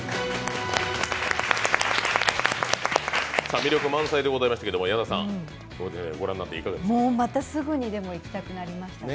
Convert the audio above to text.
魅力満載でございましたけど、矢田さん、御覧になっていかがでしたか？